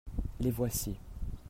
les voici.